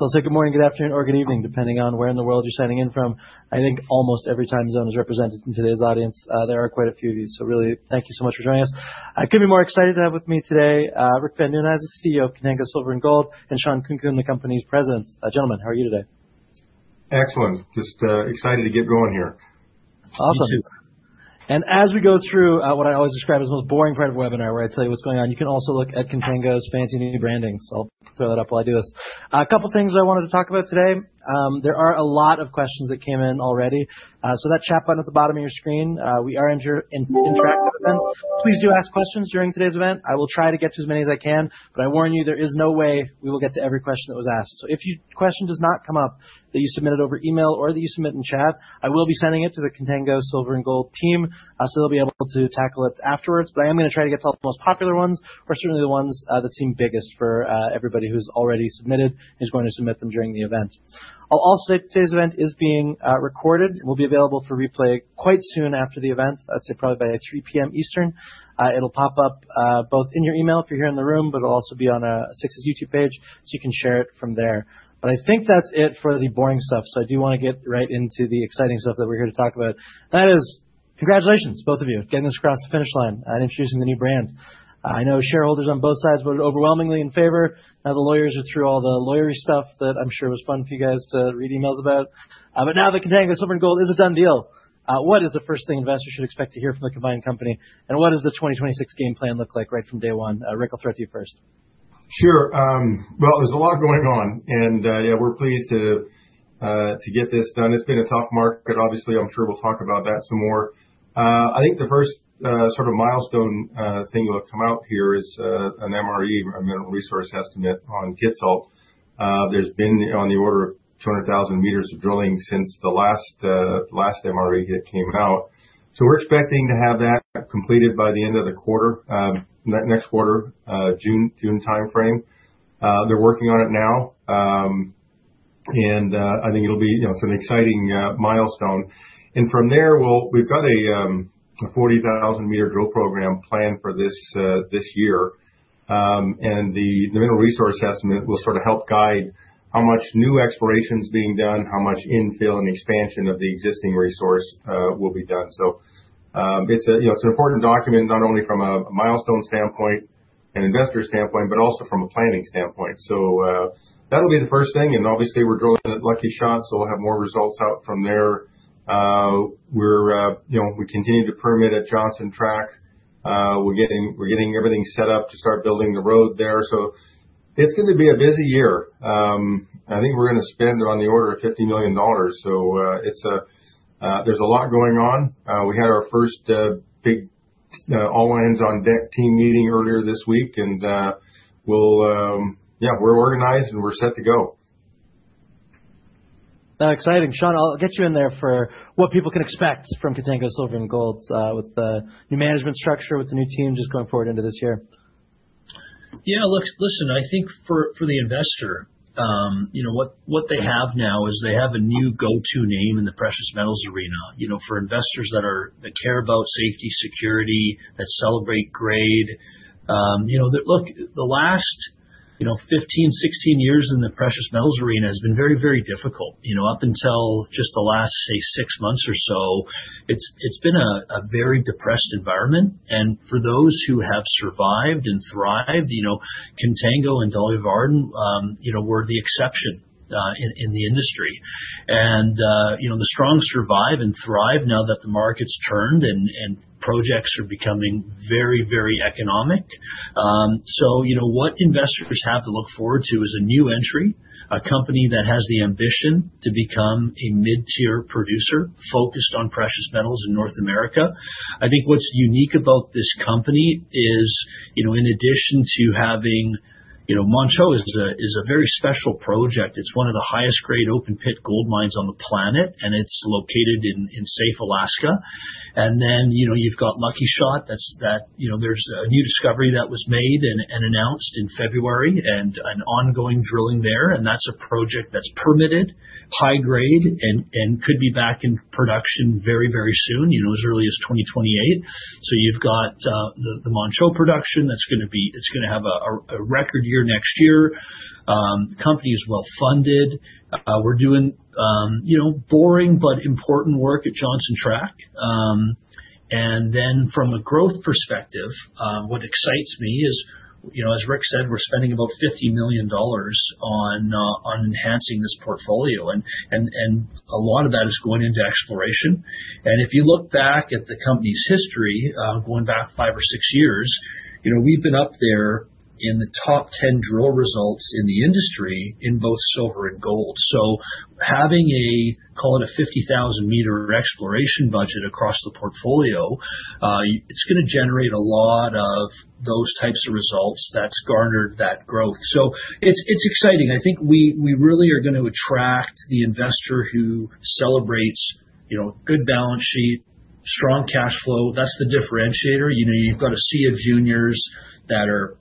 I'll say good morning, good afternoon, or good evening, depending on where in the world you're signing in from. I think almost every time zone is represented in today's audience. There are quite a few of you, so really thank you so much for joining us. I couldn't be more excited to have with me today, Rick van Nieuwenhuyse, the CEO of Contango Silver & Gold, and Shawn Khunkhun, the company's President. Gentlemen, how are you today? Excellent. Just excited to get going here. Awesome. Me too. As we go through what I always describe as the most boring part of the webinar, where I tell you what's going on, you can also look at Contango's fancy new branding. I'll throw that up while I do this. A couple things I wanted to talk about today. There are a lot of questions that came in already. So that chat button at the bottom of your screen, we are interactive. Please do ask questions during today's event. I will try to get to as many as I can, but I warn you, there is no way we will get to every question that was asked. If your question does not come up, that you submitted over email or that you submit in chat, I will be sending it to the Contango Silver & Gold team, so they'll be able to tackle it afterwards. I am gonna try to get to the most popular ones, or certainly the ones that seem biggest for everybody who's already submitted, who's going to submit them during the event. I'll also say today's event is being recorded and will be available for replay quite soon after the event. I'd say probably by 3 P.M. Eastern. It'll pop up both in your email if you're here in the room, but it'll also be on 6ix's YouTube page, so you can share it from there. I think that's it for the boring stuff. I do wanna get right into the exciting stuff that we're here to talk about. That is, congratulations, both of you, getting this across the finish line and introducing the new brand. I know shareholders on both sides voted overwhelmingly in favor. Now, the lawyers are through all the lawyery stuff that I'm sure was fun for you guys to read emails about. Now that Contango Silver & Gold is a done deal, what is the first thing investors should expect to hear from the combined company? And what does the 2026 game plan look like right from day one? Rick, I'll throw it to you first. Sure. Well, there's a lot going on, and yeah, we're pleased to get this done. It's been a tough market, obviously. I'm sure we'll talk about that some more. I think the first sort of milestone thing to have come out here is an MRE, a Mineral Resource Estimate on Kitsault. There's been on the order of 200,000 m of drilling since the last MRE hit came out. So we're expecting to have that completed by the end of the quarter, next quarter, June timeframe. They're working on it now, and I think it'll be, you know, some exciting milestone. From there, we've got a 40,000 m drill program planned for this year. The Mineral Resource Estimate will sort of help guide how much new exploration's being done, how much infill and expansion of the existing resource will be done. It's, you know, an important document, not only from a milestone standpoint and investor standpoint, but also from a planning standpoint. That'll be the first thing. Obviously we're drilling at Lucky Shot, so we'll have more results out from there. You know, we continue to permit at Johnson Tract. We're getting everything set up to start building the road there. It's gonna be a busy year. I think we're gonna spend on the order of $50 million. There's a lot going on. We had our first big all hands on deck team meeting earlier this week, and we're organized and we're set to go. Exciting. Shawn, I'll get you in there for what people can expect from Contango Silver & Gold with the new management structure, with the new team just going forward into this year. Yeah, look, listen, I think for the investor, you know, what they have now is they have a new go-to name in the precious metals arena. You know, for investors that care about safety, security, that celebrate grade. Look, the last 15-16 years in the precious metals arena has been very, very difficult. You know, up until just the last, say, six months or so, it's been a very depressed environment. For those who have survived and thrived, you know, Contango and Dolly Varden were the exception in the industry. The strong survive and thrive now that the market's turned and projects are becoming very, very economic. What investors have to look forward to is a new entry, a company that has the ambition to become a mid-tier producer focused on precious metals in North America. I think what's unique about this company is, you know, in addition to having, you know, Manh Choh is a very special project. It's one of the highest-grade open-pit gold mines on the planet, and it's located in safe Alaska. You know, you've got Lucky Shot. That's, you know, there's a new discovery that was made and announced in February and an ongoing drilling there. That's a project that's permitted, high-grade and could be back in production very soon, you know, as early as 2028. You've got the Manh Choh production that's gonna be, it's gonna have a record year next year. Company is well-funded. We're doing you know, boring but important work at Johnson Tract. And then from a growth perspective, what excites me is, you know, as Rick said, we're spending about $50 million on enhancing this portfolio. And a lot of that is going into exploration. And if you look back at the company's history, going back five or six years, you know, we've been up there in the top 10 drill results in the industry in both silver and gold. Having a, call it a 50,000 m exploration budget across the portfolio, it's gonna generate a lot of those types of results that's garnered that growth. It's exciting. I think we really are gonna attract the investor who celebrates, you know, good balance sheet, strong cash flow. That's the differentiator. You know, you've got a sea of juniors that are,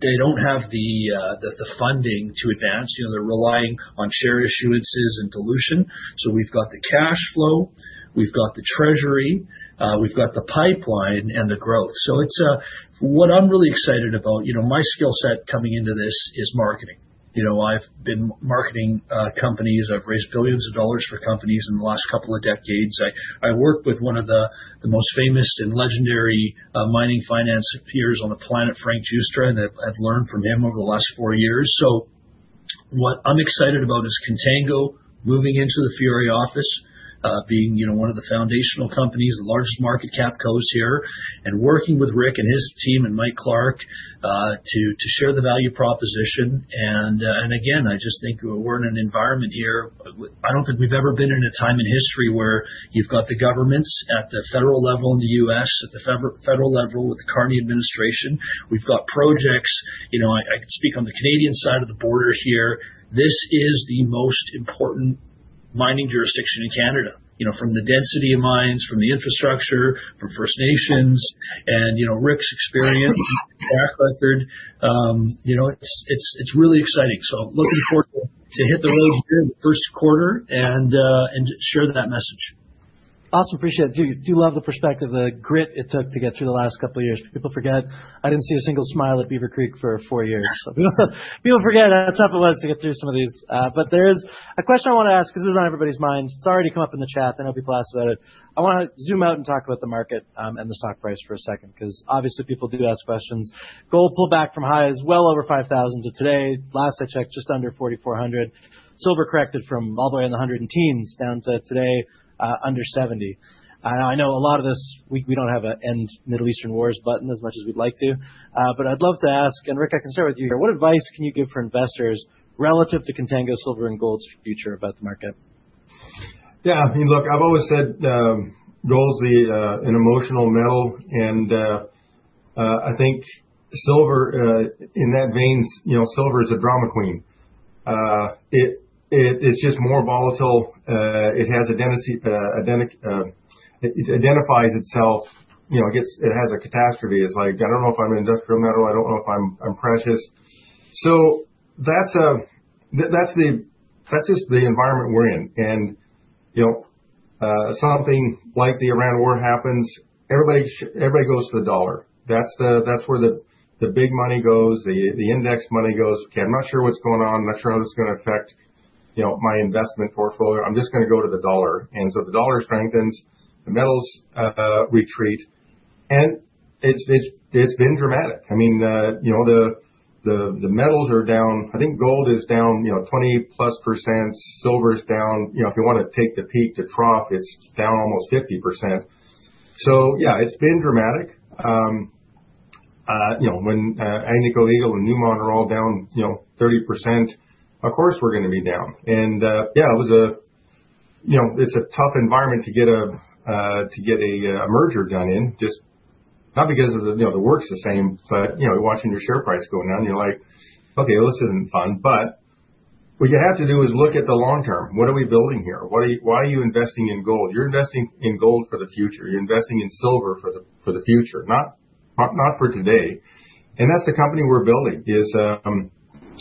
they don't have the funding to advance. You know, they're relying on share issuances and dilution. We've got the cash flow, we've got the treasury, we've got the pipeline and the growth. It's what I'm really excited about, you know, my skill set coming into this is marketing. You know, I've been marketing companies. I've raised billions of dollars for companies in the last couple of decades. I worked with one of the most famous and legendary mining finance peers on the planet, Frank Giustra, and I've learned from him over the last four years. What I'm excited about is Contango moving into the Fiore office, being, you know, one of the foundational companies, the largest market cap cos here, and working with Rick and his team and Mike Clark, to share the value proposition. I just think we're in an environment here. I don't think we've ever been in a time in history where you've got the governments at the federal level in the U.S., at the federal level with the Biden administration. We've got projects. You know, I can speak on the Canadian side of the border here. This is the most important mining jurisdiction in Canada, you know, from the density of mines, from the infrastructure, from First Nations, and, you know, Rick's experience, his track record, it's really exciting. Looking forward to hit the road here in the first quarter and share that message. Awesome. Appreciate it. Do love the perspective, the grit it took to get through the last couple of years. People forget, I didn't see a single smile at Beaver Creek for four years. People forget how tough it was to get through some of these. There is a question I wanna ask because this is on everybody's minds. It's already come up in the chat. I know people asked about it. I wanna zoom out and talk about the market, and the stock price for a second, because obviously people do ask questions. Gold pullback from high is well over $5,000 to today, last I checked, just under $4,400. Silver corrected from all the way in the $113 to $119 down to today, under $70. I know a lot of this, we don't have an end to Middle Eastern wars button as much as we'd like to, but I'd love to ask, Rick, I can start with you here, what advice can you give for investors relative to Contango Silver & Gold's future about the market? Yeah, I mean, look, I've always said gold's an emotional metal. I think silver in that vein, you know, silver is a drama queen. It is just more volatile. It identifies itself, you know. It has a catastrophe. It's like I don't know if I'm an industrial metal. I don't know if I'm precious. That's just the environment we're in. You know, something like the Iran war happens, everybody goes to the dollar. That's where the big money goes, the index money goes. Okay, I'm not sure what's going on. I'm not sure how this is gonna affect, you know, my investment portfolio. I'm just gonna go to the dollar. The dollar strengthens, the metals retreat. It's been dramatic. I mean, you know, the metals are down. I think gold is down, you know, 20%. Silver is down. You know, if you wanna take the peak to trough, it's down almost 50%. Yeah, it's been dramatic. You know, when Agnico Eagle and Newmont are all down, you know, 30%, of course, we're gonna be down. Yeah, you know, it's a tough environment to get a merger done. It's just not because of the, you know, the work's the same, but, you know, you're watching your share price go down, you're like, "Okay, well, this isn't fun." What you have to do is look at the long term. What are we building here? Why are you investing in gold? You're investing in gold for the future. You're investing in silver for the future, not for today. That's the company we're building,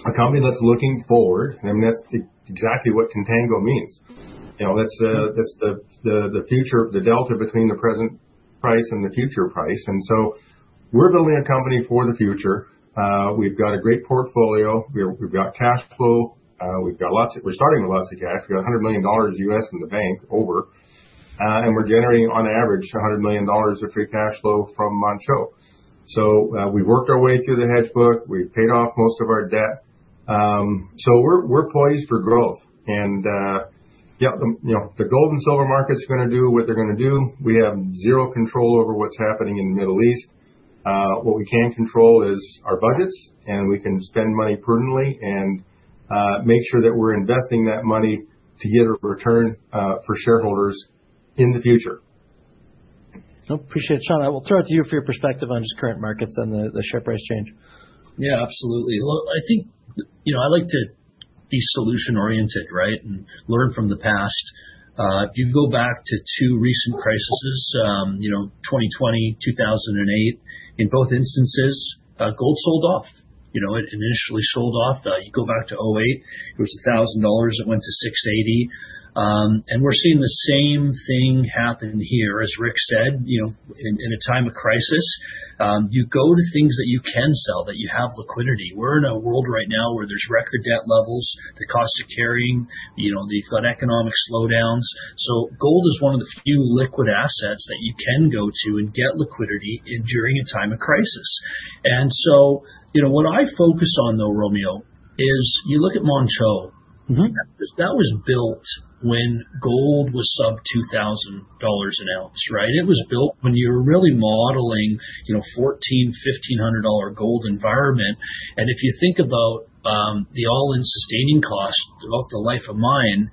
a company that's looking forward, and that's exactly what Contango means. You know, that's the future, the delta between the present price and the future price. We're building a company for the future. We've got a great portfolio. We've got cash flow. We've got lots of cash. We're starting with lots of cash. We've got $100 million in the bank, and we're generating on average $100 million of free cash flow from Montney. We've worked our way through the hedge book. We've paid off most of our debt. We're poised for growth. You know, the gold and silver market's gonna do what they're gonna do. We have zero control over what's happening in the Middle East. What we can control is our budgets, and we can spend money prudently and make sure that we're investing that money to get a return for shareholders in the future. No, I appreciate it. Shawn, I will throw it to you for your perspective on just current markets and the share price change. Yeah, absolutely. Well, I think, you know, I like to be solution-oriented, right? Learn from the past. If you go back to two recent crises, you know, 2020, 2008, in both instances, gold sold off. You know, it initially sold off. You go back to 2008, it was $1,000, it went to $680. We're seeing the same thing happen here. As Rick said, you know, in a time of crisis, you go to things that you can sell, that you have liquidity. We're in a world right now where there's record debt levels, the cost of carrying, you know, the economic slowdowns. Gold is one of the few liquid assets that you can go to and get liquidity in during a time of crisis. You know, what I focus on though, Romeo, is you look at Montney. That was built when gold was sub $2,000 an ounce, right? It was built when you were really modeling, you know, $1,400-$1,500 gold environment. If you think about the all-in sustaining cost throughout the life of mine,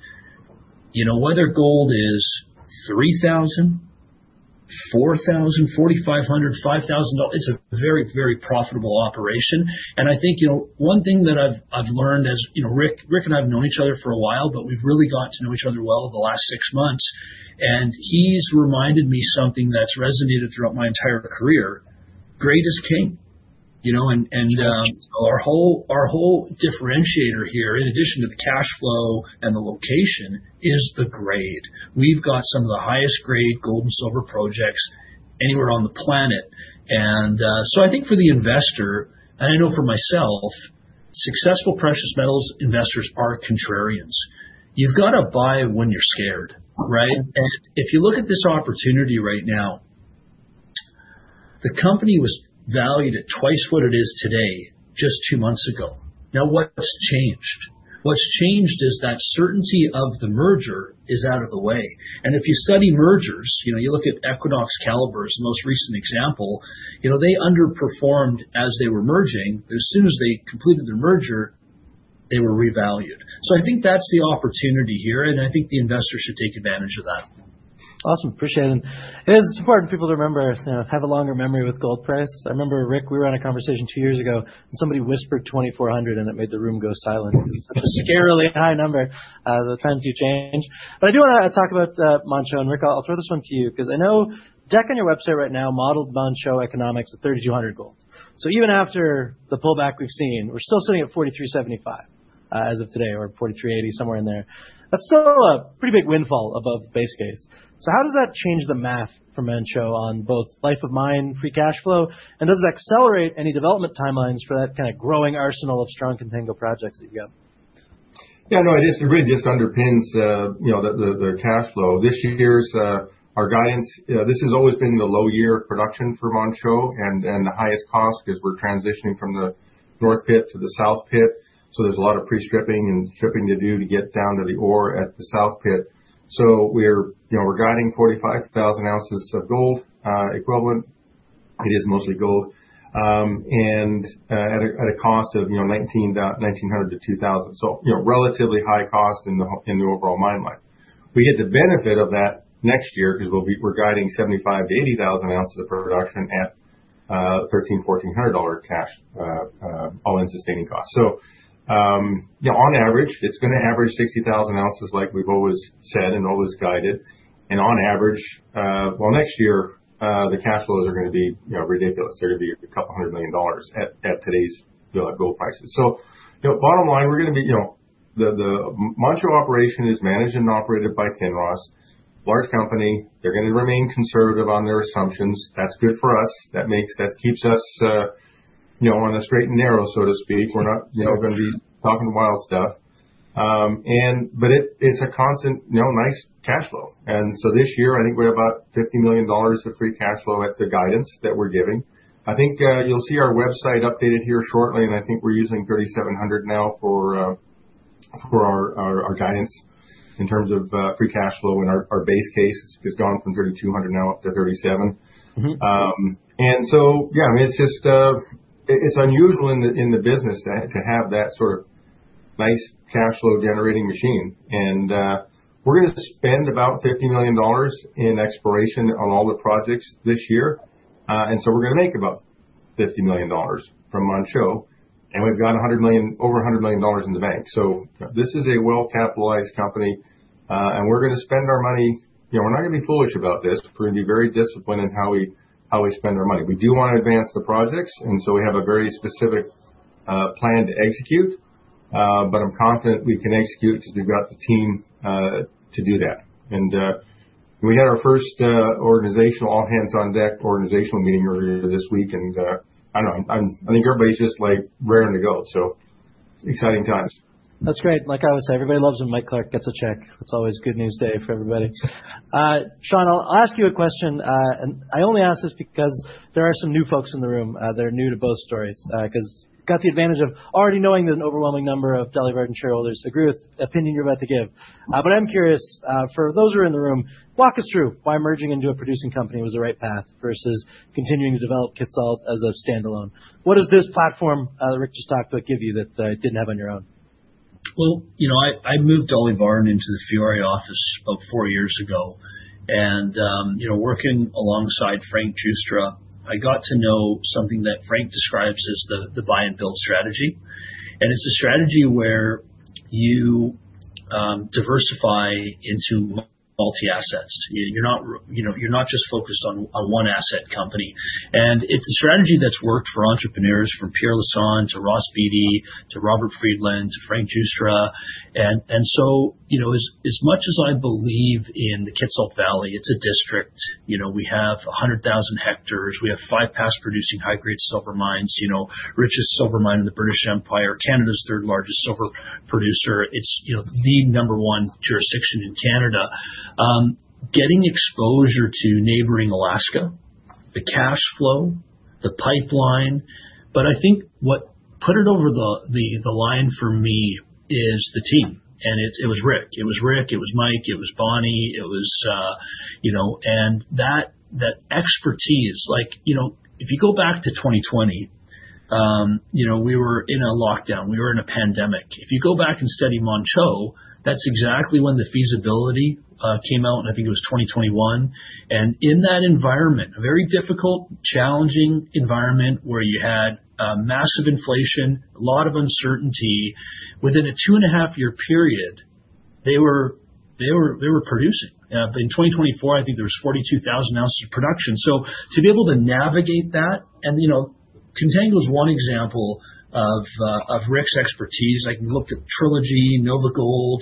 you know, whether gold is $3,000, $4,000, $4,500, $5,000, it's a very, very profitable operation. I think, you know, one thing that I've learned as, you know, Rick and I have known each other for a while, but we've really got to know each other well over the last six months. He's reminded me something that's resonated throughout my entire career, grade is king. You know, our whole differentiator here, in addition to the cash flow and the location, is the grade. We've got some of the highest grade gold and silver projects anywhere on the planet. I think for the investor, and I know for myself, successful precious metals investors are contrarians. You've got to buy when you're scared, right? If you look at this opportunity right now, the company was valued at twice what it is today just two months ago. Now, what's changed? What's changed is that certainty of the merger is out of the way. If you study mergers, you know, you look at Equinox/Calibre as the most recent example, you know, they underperformed as they were merging. As soon as they completed their merger, they were revalued. I think that's the opportunity here, and I think the investors should take advantage of that. Awesome. Appreciate it. It's important for people to remember, you know, have a longer memory with gold price. I remember, Rick, we were in a conversation two years ago, and somebody whispered $2,400, and it made the room go silent. It was such a scarily high number. The times do change. I do wanna talk about Manh Choh. Rick, I'll throw this one to you because I know deck on your website right now modeled Manh Choh economics at $3,200 gold. So even after the pullback we've seen, we're still sitting at $4,375, as of today, or $4,380, somewhere in there. That's still a pretty big windfall above base case. How does that change the math for Manh Choh on both life of mine free cash flow, and does it accelerate any development timelines for that kind of growing arsenal of strong Contango projects that you got? Yeah, no, it is. It really just underpins, you know, the cash flow. This year's our guidance. This has always been the low year of production for Manh Choh and the highest cost because we're transitioning from the north pit to the south pit, so there's a lot of pre-stripping and stripping to do to get down to the ore at the south pit. We're, you know, guiding 45,000 ounces of gold equivalent. It is mostly gold. And at a cost of, you know, $1,900-$2,000. You know, relatively high cost in the overall mine life. We get the benefit of that next year because we're guiding 75,000-80,000 ounces of production at $1,300-$1,400 all-in sustaining costs. You know, on average, it's gonna average 60,000 ounces like we've always said and always guided. On average, next year, the cash flows are gonna be, you know, ridiculous. They're gonna be couple of hundred million dollars at today's gold prices. You know, bottom line, we're gonna be, you know, the Manh Choh operation is managed and operated by Kinross, a large company. They're gonna remain conservative on their assumptions. That's good for us. That keeps us, you know, on the straight and narrow, so to speak. We're not, you know, gonna be talking wild stuff. But it's a constant, you know, nice cash flow. This year, I think we have about $50 million of free cash flow at the guidance that we're giving. I think you'll see our website updated here shortly, and I think we're using $3,700 now for our guidance in terms of free cash flow. Our base case has gone from $3,200 now up to $3,700. Yeah, I mean, it's just unusual in the business to have that sort of nice cash flow generating machine. We're gonna spend about $50 million in exploration on all the projects this year. We're gonna make about $50 million from Manh Choh, and we've got over $100 million in the bank. This is a well-capitalized company, and we're gonna spend our money. You know, we're not gonna be foolish about this. We're gonna be very disciplined in how we spend our money. We do wanna advance the projects, we have a very specific plan to execute. I'm confident we can execute because we've got the team to do that. We had our first organizational all hands on deck organizational meeting earlier this week. I don't know, I'm, I think everybody's just, like, raring to go, so exciting times. That's great. Like I always say, everybody loves when Mike Clark gets a check. It's always a good news day for everybody. Shawn, I'll ask you a question. I only ask this because there are some new folks in the room that are new to both stories. 'Cause I've got the advantage of already knowing that an overwhelming number of Dolly Varden shareholders agree with the opinion you're about to give. I'm curious, for those who are in the room, walk us through why merging into a producing company was the right path versus continuing to develop Kitsault as a standalone. What does this platform give you that you didn't have on your own? Well, you know, I moved Dolly Varden into the Fiore office about four years ago. Working alongside Frank Giustra, I got to know something that Frank describes as the buy and build strategy. It's a strategy where you diversify into multi assets. You're not just focused on a one asset company. It's a strategy that's worked for entrepreneurs from Pierre Lassonde to Ross Beaty to Robert Friedland to Frank Giustra. So, you know, as much as I believe in the Kitsault Valley, it's a district. You know, we have 100,000 hectares. We have five past producing high-grade silver mines. You know, richest silver mine in the British Empire, Canada's third largest silver producer. It's the number one jurisdiction in Canada. Getting exposure to neighboring Alaska, the cash flow, the pipeline. I think what put it over the line for me is the team, and it was Rick. It was Mike, it was Bonnie. It was, you know, and that expertise, like, you know, if you go back to 2020, you know, we were in a lockdown. We were in a pandemic. If you go back and study Manh Choh, that's exactly when the feasibility came out, and I think it was 2021. In that environment, a very difficult, challenging environment where you had massive inflation, a lot of uncertainty, within a 2.5-year period, they were producing. In 2024, I think there was 42,000 ounces of production. To be able to navigate that and, you know, Contango is one example of Rick's expertise. I can look at Trilogy, NovaGold.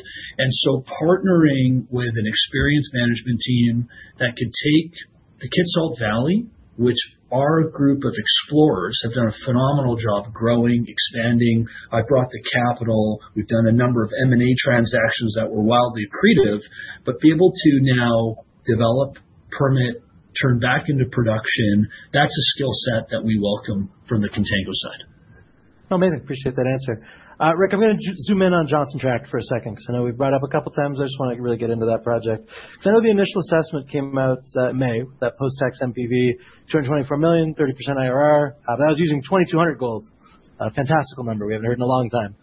Partnering with an experienced management team that could take the Kitsault Valley, which our group of explorers have done a phenomenal job growing, expanding. I brought the capital. We've done a number of M&A transactions that were wildly accretive, but be able to now develop, permit, turn back into production, that's a skill set that we welcome from the Contango side. Oh, amazing. Appreciate that answer. Rick, I'm gonna zoom in on Johnson Tract for a second, 'cause I know we've brought it up a couple times. I just wanna really get into that project. I know the initial assessment came out May, that post-tax NPV $224 million, 30% IRR. That was using $2,200 gold, a fantastical number we haven't heard in a long time.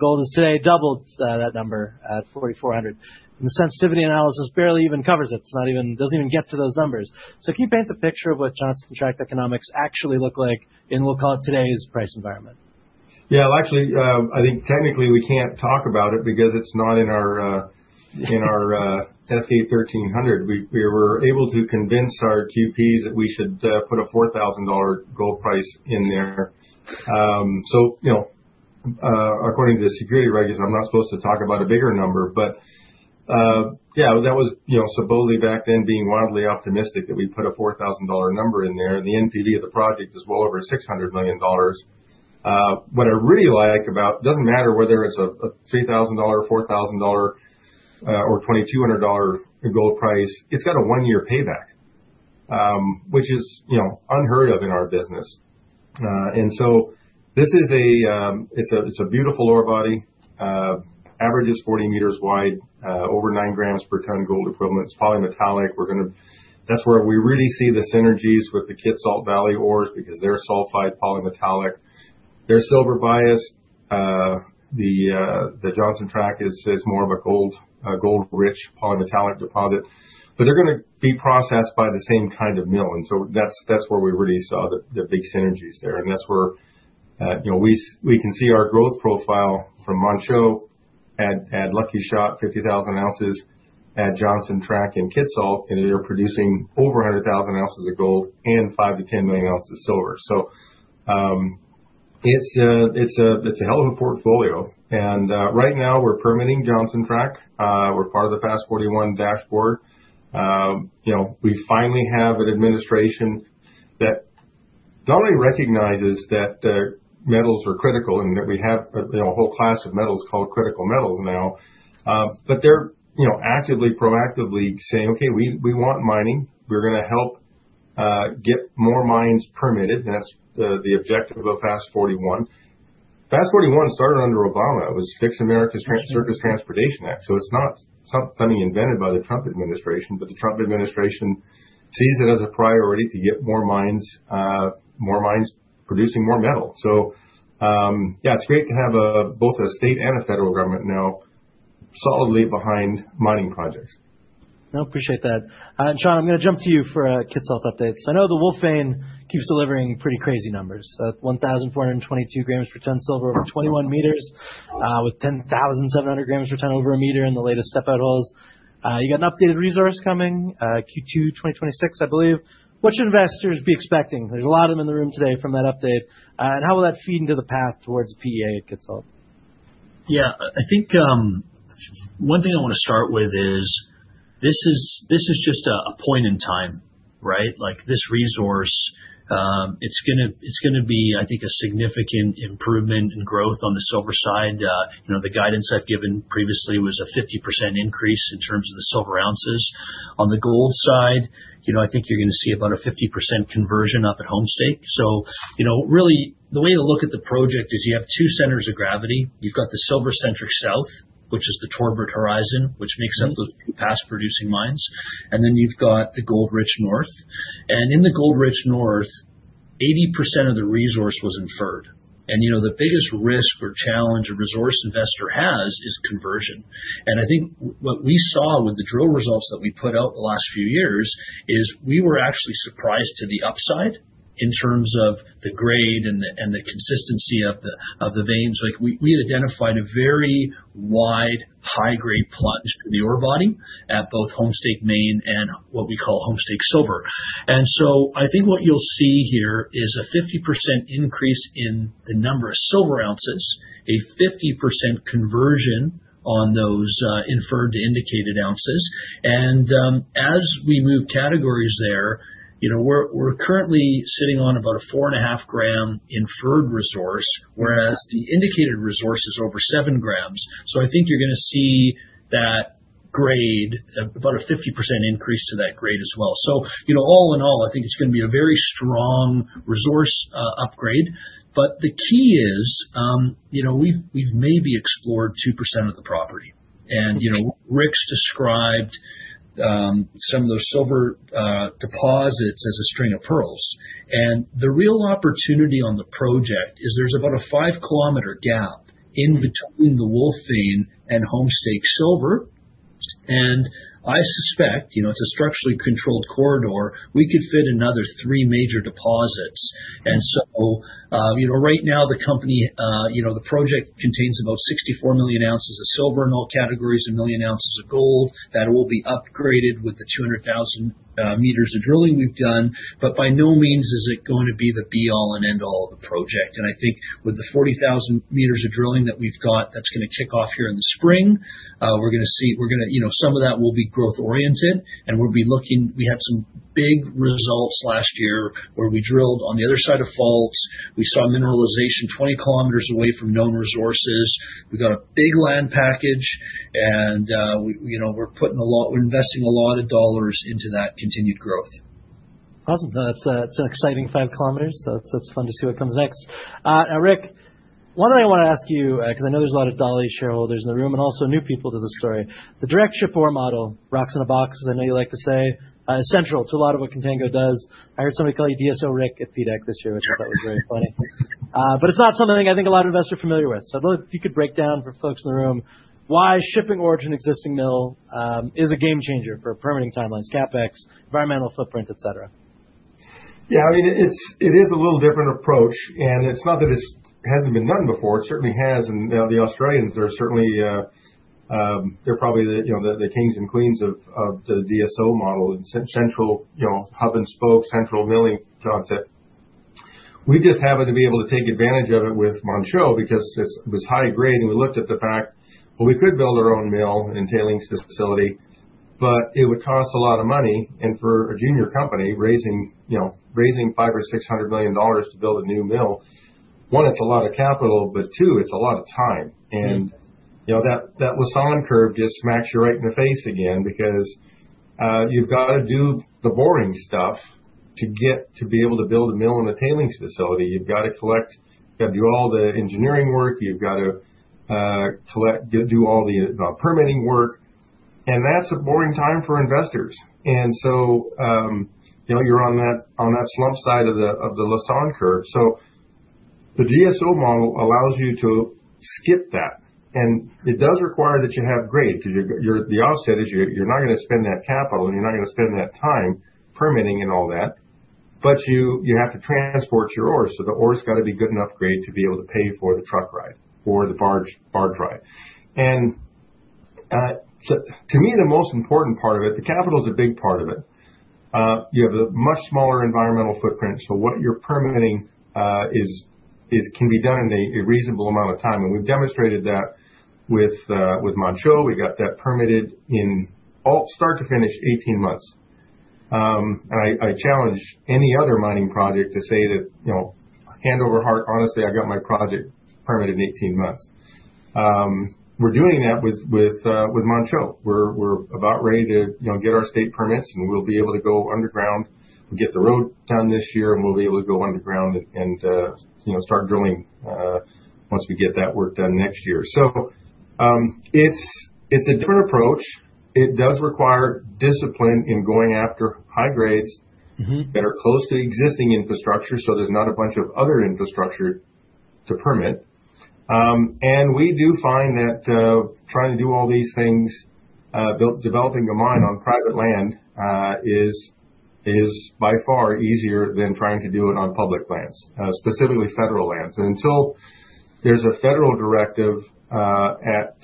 Gold is today doubled that number at $4,400. The sensitivity analysis barely even covers it. It's not even. It doesn't even get to those numbers. Can you paint the picture of what Johnson Tract economics actually look like in, we'll call it, today's price environment? Yeah. Well, actually, I think technically we can't talk about it because it's not in our S-K 1300. We were able to convince our QPs that we should put a $4,000 gold price in there. So, you know, according to the SEC regulations, I'm not supposed to talk about a bigger number. But yeah, that was, you know, Saboli back then being wildly optimistic that we put a $4,000 number in there, and the NPV of the project is well over $600 million. What I really like about it doesn't matter whether it's a $3,000, $4,000, or $2,200 gold price, it's got a one-year payback, which is, you know, unheard of in our business. This is a beautiful ore body. Average is 40 m wide, over 9 gm/ton gold equivalent. It's polymetallic. That's where we really see the synergies with the Kitsault Valley ores because they're sulfide polymetallic. They're silver biased. The Johnson Tract is more of a gold-rich polymetallic deposit. They're gonna be processed by the same kind of mill, and so that's where we really saw the big synergies there. That's where we can see our growth profile from Manh Choh at Lucky Shot, 50,000 ounces, at Johnson Tract and Kitsault, and they're producing over 100,000 ounces of gold and 5 million-10 million ounces of silver. It's a hell of a portfolio. Right now we're permitting Johnson Tract. We're part of the FAST-41 dashboard. You know, we finally have an administration that not only recognizes that metals are critical and that we have a whole class of metals called critical metals now, but they're actively, proactively saying, "Okay, we want mining. We're gonna help get more mines permitted." That's the objective of FAST-41. FAST-41 started under Obama. It was Fixing America's Surface Transportation Act, so it's not something invented by the Trump administration, but the Trump administration sees it as a priority to get more mines producing more metal. Yeah, it's great to have both a state and a federal government now solidly behind mining projects. No, I appreciate that. Shawn, I'm gonna jump to you for a Kitsault update. I know the Wolf keeps delivering pretty crazy numbers. 1,422 gm/ton silver over 21 m, with 10,700 gm/ton over 1 m in the latest step-out holes. You got an updated resource coming, Q2 2026, I believe. What should investors be expecting? There's a lot of them in the room today from that update. How will that feed into the path towards PEA at Kitsault? I think one thing I wanna start with is this is just a point in time, right? Like, this resource, it's gonna be, I think, a significant improvement in growth on the silver side. You know, the guidance I've given previously was a 50% increase in terms of the silver ounces. On the gold side, you know, I think you're gonna see about a 50% conversion up at Homestake. You know, really the way to look at the project is you have two centers of gravity. You've got the silver-centric south, which is the Torbrit Horizon, which makes up the past producing mines, and then you've got the gold-rich north. In the gold-rich north, 80% of the resource was inferred. You know, the biggest risk or challenge a resource investor has is conversion. I think what we saw with the drill results that we put out the last few years is we were actually surprised to the upside in terms of the grade and the consistency of the veins. Like, we identified a very wide high-grade plunge in the ore body at both Homestake Main and what we call Homestake Silver. I think what you'll see here is a 50% increase in the number of silver ounces, a 50% conversion on those inferred to indicated ounces. As we move categories there, you know, we're currently sitting on about a 4.5 gm inferred resource, whereas the indicated resource is over 7 gm. I think you're gonna see that grade at about a 50% increase to that grade as well. You know, all in all, I think it's gonna be a very strong resource upgrade. The key is, you know, we've maybe explored 2% of the property. You know, Rick's described some of those silver deposits as a string of pearls. The real opportunity on the project is there's about a 5 km gap in between the Wolf and Homestake Silver. I suspect, you know, it's a structurally controlled corridor, we could fit another three major deposits. You know, right now the company, you know, the project contains about 64 million ounces of silver in all categories, 1 million ounces of gold. That will be upgraded with the 200,000 m of drilling we've done. By no means is it going to be the be all and end all of the project. I think with the 40,000 m of drilling that we've got that's gonna kick off here in the spring, we're gonna see. You know, some of that will be growth oriented, and we'll be looking. We had some big results last year where we drilled on the other side of faults. We saw mineralization 20 km away from known resources. We've got a big land package and, you know, we're putting a lot, we're investing a lot of dollars into that continued growth. Awesome. That's an exciting 5 km, so it's fun to see what comes next. Now Rick, one thing I wanna ask you, because I know there's a lot of Dolly shareholders in the room and also new people to the story. The direct ship ore model, rocks in a box, as I know you like to say, central to a lot of what Contango does. I heard somebody call you DSO Rick at PDAC this year, which I thought was very funny. But it's not something I think a lot of investors are familiar with. I don't know if you could break down for folks in the room why shipping ore to an existing mill is a game changer for permitting timelines, CapEx, environmental footprint, et cetera. Yeah. I mean, it is a little different approach, and it's not that it hasn't been done before. It certainly has. You know, the Australians are certainly the kings and queens of the DSO model. It's central hub and spoke, central milling concept. We just happen to be able to take advantage of it with Manh Choh because this was high grade, and we looked at the fact, well, we could build our own mill and tailings facility, but it would cost a lot of money. For a junior company raising $500 million-$600 million to build a new mill, one, it's a lot of capital, but two, it's a lot of time. You know, the Lassonde curve just smacks you right in the face again because you've gotta do the boring stuff to get to be able to build a mill and a tailings facility. You've gotta do all the engineering work. You've gotta do all the permitting work, and that's a boring time for investors. You know, you're on the slump side of the Lassonde curve. The DSO model allows you to skip that, and it does require that you have grade because the offset is you're not gonna spend that capital, and you're not gonna spend that time permitting and all that, but you have to transport your ore. The ore's gotta be good enough grade to be able to pay for the truck ride or the barge ride. To me, the most important part of it, the capital's a big part of it. You have a much smaller environmental footprint, so what you're permitting can be done in a reasonable amount of time. We've demonstrated that with Manh Choh. We got that permitted start to finish, 18 months. I challenge any other mining project to say that, you know, hand over heart, honestly, I got my project permitted in 18 months. We're doing that with Manh Choh. We're about ready to, you know, get our state permits, and we'll be able to go underground and get the road done this year, and we'll be able to go underground and you know, start drilling once we get that work done next year. It's a different approach. It does require discipline in going after high grades. That are close to existing infrastructure, so there's not a bunch of other infrastructure to permit. We do find that trying to do all these things developing a mine on private land is by far easier than trying to do it on public lands specifically federal lands. Until there's a federal directive a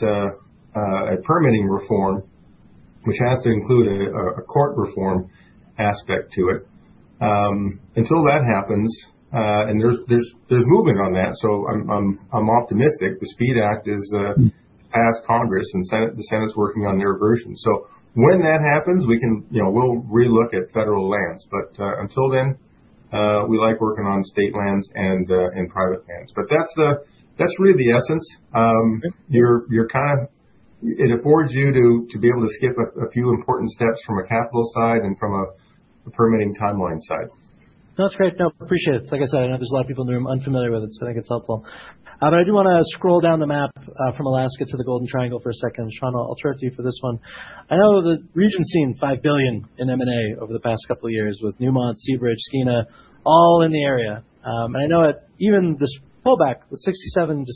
permitting reform which has to include a court reform aspect to it. Until that happens and there's movement on that, so I'm optimistic. The SPEED Act is passed Congress and Senate, the Senate is working on their version. When that happens, we can, you know, we'll relook at federal lands. Until then we like working on state lands and private lands. That's really the essence. It affords you to be able to skip a few important steps from a capital side and from a permitting timeline side. No, that's great. No, appreciate it. Like I said, I know there's a lot of people in the room unfamiliar with it, so I think it's helpful. But I do wanna scroll down the map, from Alaska to the Golden Triangle for a second. Shawn, I'll turn it to you for this one. I know the region's seen $5 billion in M&A over the past couple of years with Newmont, Seabridge, Skeena, all in the area. And I know that even this pullback with $67-$70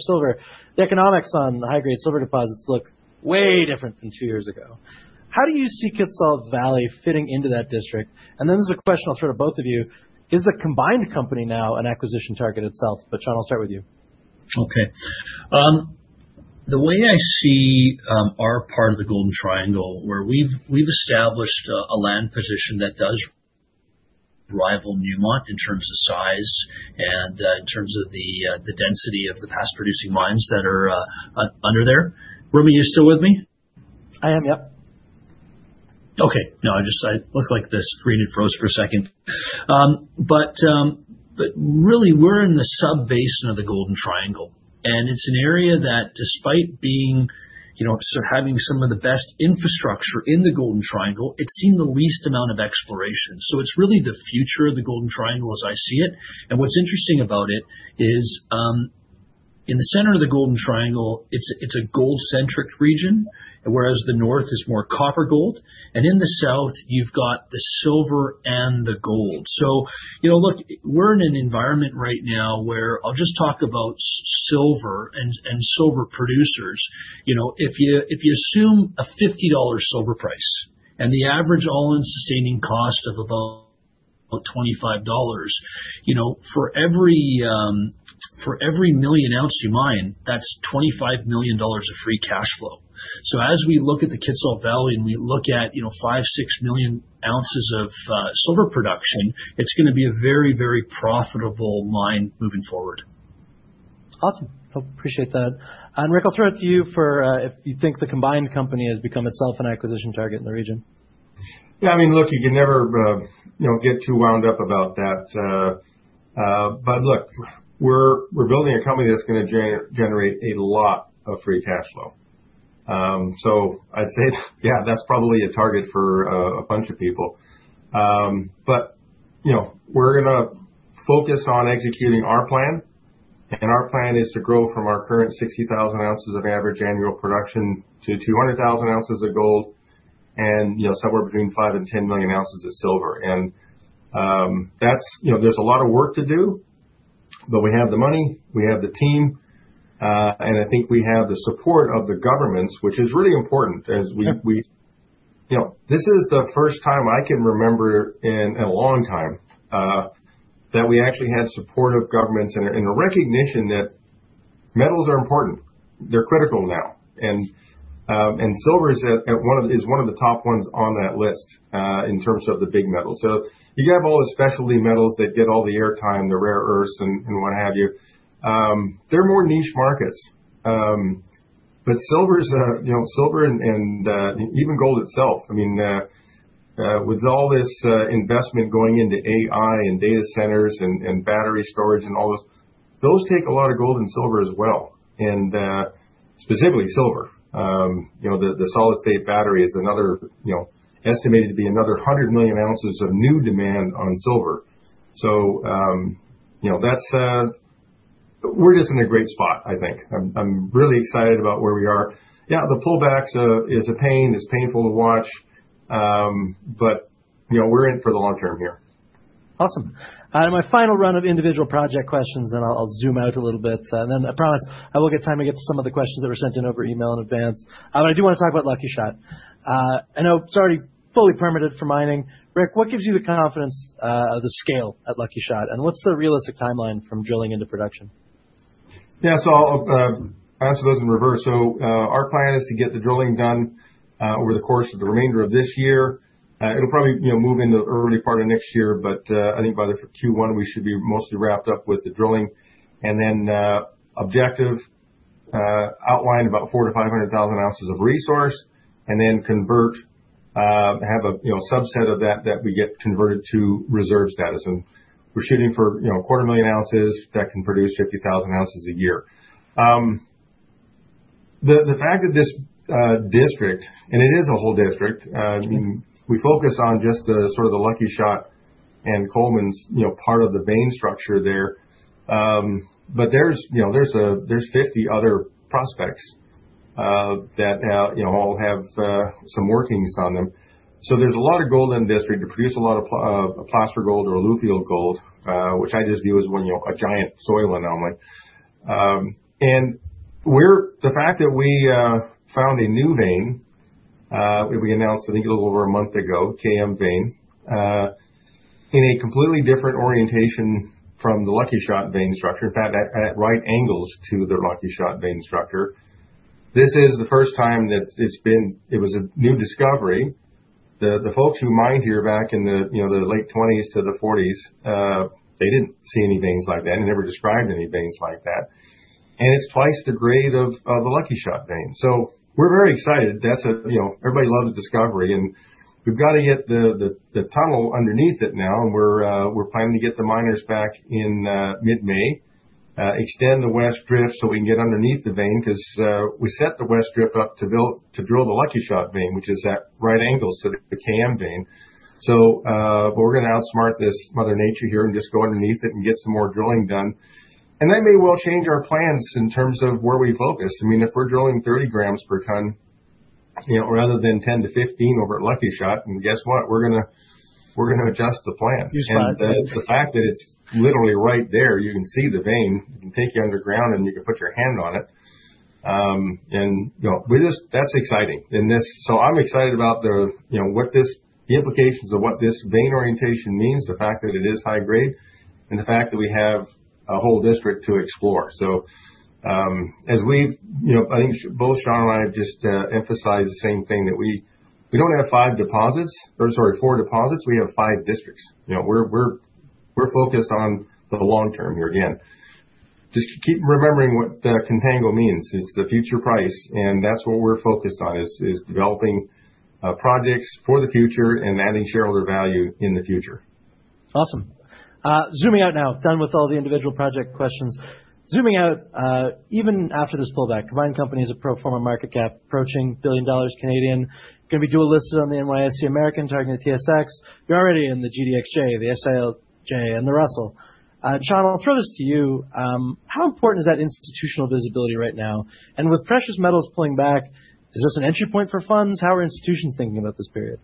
silver, the economics on the high-grade silver deposits look way different than two years ago. How do you see Kitsault Valley fitting into that district? And then this is a question I'll throw to both of you. Is the combined company now an acquisition target itself? But Shawn, I'll start with you. Okay. The way I see our part of the Golden Triangle where we've established a land position that does rival Newmont in terms of size and in terms of the density of the past producing mines that are under there. Rumi, you still with me? I am, yep. It looked like the screen had froze for a second. Really, we're in the sub-basin of the Golden Triangle, and it's an area that despite being, you know, so having some of the best infrastructure in the Golden Triangle, it's seen the least amount of exploration. It's really the future of the Golden Triangle as I see it. What's interesting about it is, in the center of the Golden Triangle, it's a gold centric region, whereas the north is more copper gold, and in the south, you've got the silver and the gold. You know, look, we're in an environment right now where I'll just talk about silver and silver producers. You know, if you assume a $50 silver price and the average all-in sustaining cost of about $25, you know, for every million ounce you mine, that's $25 million of free cash flow. As we look at the Kitsault Valley, and we look at, you know, 5 million-6 million ounces of silver production, it's gonna be a very, very profitable mine moving forward. Awesome. Appreciate that. Rick, I'll throw it to you for if you think the combined company has become itself an acquisition target in the region. Yeah. I mean, look, you can never, you know, get too wound up about that. Look, we're building a company that's gonna generate a lot of free cash flow. I'd say, yeah, that's probably a target for a bunch of people. You know, we're gonna focus on executing our plan, and our plan is to grow from our current 60,000 ounces of average annual production to 200,000 ounces of gold and, you know, somewhere between 5 million-10 million ounces of silver. That's. You know, there's a lot of work to do, but we have the money, we have the team, and I think we have the support of the governments, which is really important as we-- You know, this is the first time I can remember in a long time that we actually have support of governments and a recognition that metals are important. They're critical now. Silver is one of the top ones on that list in terms of the big metals. You have all the specialty metals that get all the airtime, the rare earths and what have you. They're more niche markets. But silver's a, you know, silver and even gold itself, I mean, with all this investment going into AI and data centers and battery storage and all those take a lot of gold and silver as well, and specifically silver. You know, the solid-state battery is another, you know, estimated to be another 100 million ounces of new demand on silver. You know, that said, we're just in a great spot, I think. I'm really excited about where we are. Yeah, the pullbacks is a pain. It's painful to watch. You know, we're in for the long term here. Awesome. My final run of individual project questions, and I'll zoom out a little bit. I promise, I will get time to get to some of the questions that were sent in over email in advance. I do wanna talk about Lucky Shot. I know it's already fully permitted for mining. Rick, what gives you the confidence of the scale at Lucky Shot, and what's the realistic timeline from drilling into production? Yeah. I'll answer those in reverse. Our plan is to get the drilling done over the course of the remainder of this year. It'll probably, you know, move into the early part of next year, but I think by the Q1, we should be mostly wrapped up with the drilling. Then objective outline about 400,000-500,000 ounces of resource, and then convert have a, you know, subset of that that we get converted to reserve status. We're shooting for, you know, a quarter million ounces that can produce 50,000 ounces a year. The fact that this district, and it is a whole district, we focus on just the Lucky Shot and Coleman, you know, part of the vein structure there. There's, you know, there are 50 other prospects that have, you know, all have some workings on them. So there's a lot of gold in the district. We produce a lot of placer gold or alluvial gold, which I just view as one, you know, a giant soil anomaly. The fact that we found a new vein, we announced, I think, a little over a month ago, KM vein, in a completely different orientation from the Lucky Shot vein structure. In fact, at right angles to the Lucky Shot vein structure. This is the first time that it's been. It was a new discovery. The folks who mined here back in the, you know, the late 20s to the 40s, they didn't see any veins like that. They never described any veins like that. It's twice the grade of the Lucky Shot vein. We're very excited. That's you know, everybody loves discovery, and we've got to get the tunnel underneath it now. We're planning to get the miners back in mid-May, extend the west drift so we can get underneath the vein, 'cause we set the west drift up to drill the Lucky Shot vein, which is at right angles to the KM vein. But we're gonna outsmart this Mother Nature here and just go underneath it and get some more drilling done. That may well change our plans in terms of where we focus. I mean, if we're drilling 30 gm/ton, you know, rather than 10-15 over at Lucky Shot, and guess what? We're gonna adjust the plan. The fact that it's literally right there, you can see the vein. We can take you underground, and you can put your hand on it. You know, that's exciting. I'm excited about the, you know, what this, the implications of what this vein orientation means, the fact that it is high grade and the fact that we have a whole district to explore. You know, I think both Shawn and I have just emphasized the same thing that we don't have five deposits or, sorry, four deposits. We have five districts. You know, we're focused on the long term here again. Just keep remembering what Contango means. It's the future price, and that's what we're focused on, is developing projects for the future and adding shareholder value in the future. Awesome. Zooming out now. Done with all the individual project questions. Zooming out, even after this pullback, combined company has a pro forma market cap approaching 1 billion dollars. Gonna be dual listed on the NYSE American, targeting the TSX. You're already in the GDXJ, the SILJ, and the Russell. Shawn, I'll throw this to you. How important is that institutional visibility right now? With precious metals pulling back, is this an entry point for funds? How are institutions thinking about this period?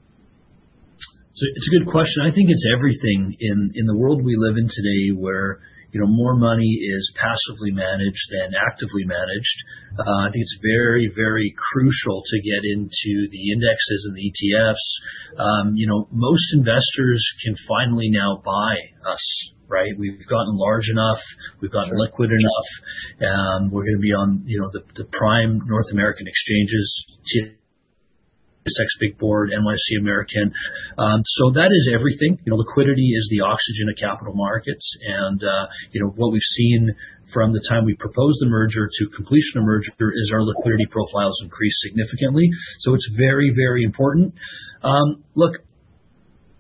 It's a good question. I think it's everything in the world we live in today where, you know, more money is passively managed than actively managed. I think it's very, very crucial to get into the indexes and the ETFs. You know, most investors can finally now buy us, right? We've gotten large enough. We've gotten liquid enough. We're gonna be on the prime North American exchanges, TSX Big Board, NYSE American. That is everything. You know, liquidity is the oxygen of capital markets. What we've seen from the time we proposed the merger to completion of merger is our liquidity profile's increased significantly. It's very, very important. Look,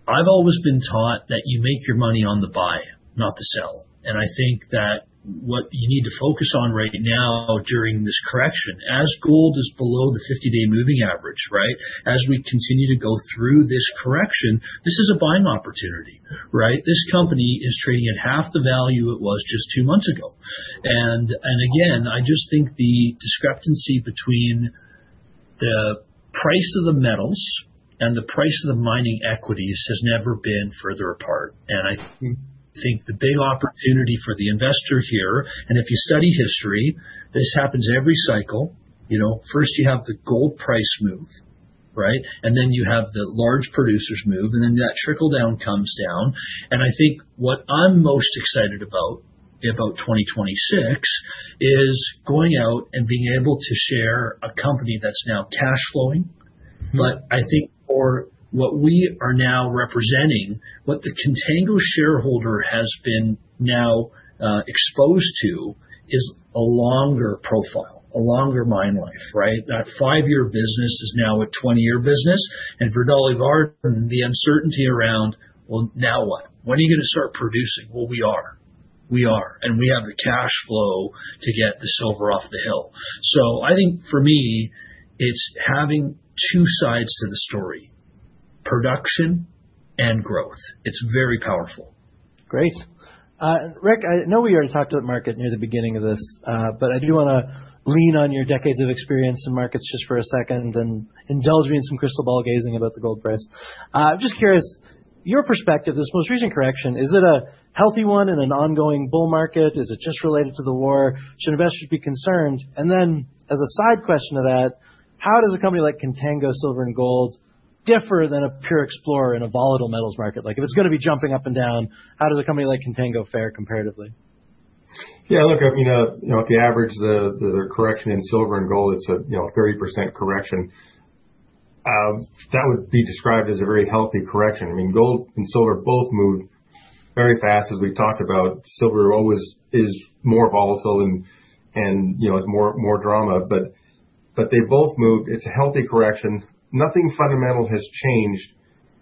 I've always been taught that you make your money on the buy, not the sell. I think that what you need to focus on right now during this correction, as gold is below the 50-day moving average, right? As we continue to go through this correction, this is a buying opportunity, right? This company is trading at half the value it was just two months ago. Again, I just think the discrepancy between the price of the metals and the price of the mining equities has never been further apart. I think the big opportunity for the investor here, and if you study history, this happens every cycle. You know, first you have the gold price move, right? Then you have the large producers move, and then that trickle-down comes down. I think what I'm most excited about 2026, is going out and being able to share a company that's now cash flowing. I think for what we are now representing, what the Contango shareholder has been now, exposed to is a longer profile, a longer mine life, right? That five-year business is now a 20-year business. For Dolly Varden, the uncertainty around, "Well, now what? When are you gonna start producing?" Well, we are. We have the cash flow to get the silver off the hill. I think for me, it's having two sides to the story, production and growth. It's very powerful. Great. Rick, I know we already talked about the market near the beginning of this, but I do wanna lean on your decades of experience in markets just for a second and indulge me in some crystal ball gazing about the gold price. I'm just curious, your perspective, this most recent correction, is it a healthy one in an ongoing bull market? Is it just related to the war? Should investors be concerned? Then as a side question to that, how does a company like Contango Silver & Gold differ than a pure explorer in a volatile metals market? Like, if it's gonna be jumping up and down, how does a company like Contango fare comparatively? Yeah, look, I mean, you know, if you average the correction in silver and gold, it's a 30% correction. That would be described as a very healthy correction. I mean, gold and silver both moved very fast, as we've talked about. Silver always is more volatile and, you know, more drama, but they both moved. It's a healthy correction. Nothing fundamental has changed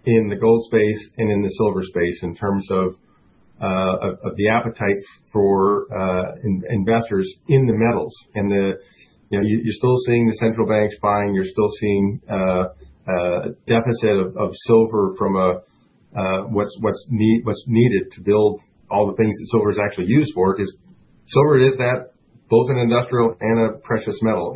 in the gold space and in the silver space in terms of the appetite for investors in the metals. You know, you're still seeing the central banks buying, you're still seeing a deficit of silver from what's needed to build all the things that silver is actually used for 'cause silver is both an industrial and a precious metal.